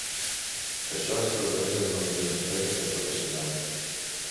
Això es tradueix en una major despesa computacional.